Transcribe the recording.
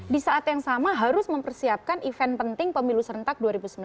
di saat yang sama harus mempersiapkan event penting pemilu serentak dua ribu sembilan belas